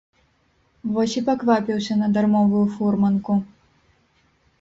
Вось і паквапіўся на дармовую фурманку.